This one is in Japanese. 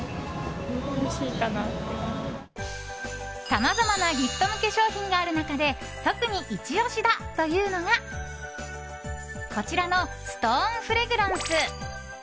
さまざまなギフト向け商品がある中で特にイチ押しだというのがこちらのストーンフレグランス。